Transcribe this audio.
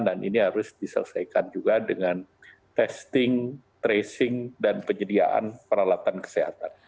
dan ini harus diselesaikan juga dengan testing tracing dan penyediaan peralatan kesehatan